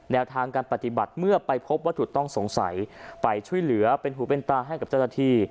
ทางการปฏิบัติเมื่อไปพบวัตถุต้องสงสัยไปช่วยเหลือเป็นหูเป็นตาให้กับเจ้าหน้าที่